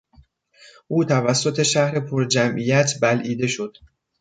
او توسط شهر پرجمعیت بلعیده شد.